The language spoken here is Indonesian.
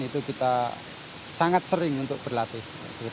itu kita sangat sering untuk berlatih